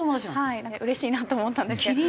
うれしいなと思ったんですけど。